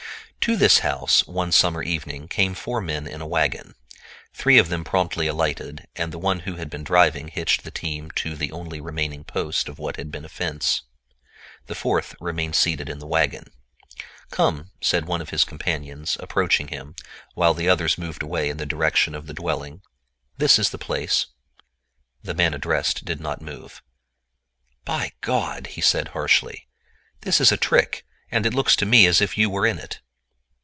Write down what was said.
To this house, one summer evening, came four men in a wagon. Three of them promptly alighted, and the one who had been driving hitched the team to the only remaining post of what had been a fence. The fourth remained seated in the wagon. "Come," said one of his companions, approaching him, while the others moved away in the direction of the dwelling—"this is the place." The man addressed did not move. "By God!" he said harshly, "this is a trick, and it looks to me as if you were in it."